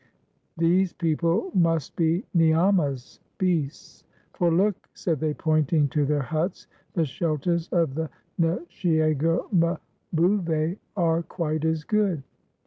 These people inust he niamas (beasts); for, look," said they, pointing to their huts, "the shelters of the nshiego mbouve are quite as good."